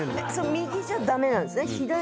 右じゃ駄目なんですね。